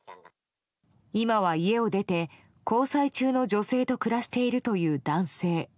今は家を出て交際中の女性と暮らしているという男性。